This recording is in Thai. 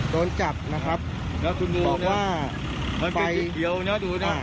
โดนจับนะครับน่ะคุณดูนะบอกว่ามันเป็นจิ๊กเขียวน่ะดูน่ะน่ะ